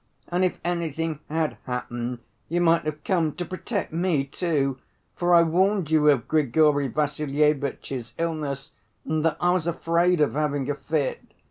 And if anything had happened, you might have come to protect me, too, for I warned you of Grigory Vassilyevitch's illness, and that I was afraid of having a fit.